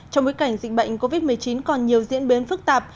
trong bối cảnh dịch bệnh covid một mươi chín còn nhiều diễn biến phức tạp